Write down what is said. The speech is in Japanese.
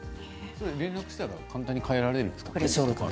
連絡したら簡単に変えられるんですか？